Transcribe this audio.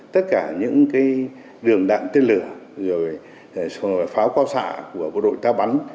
tất cả những cái đường đạn tên lửa rồi pháo cao xạ của quân đội ta bắn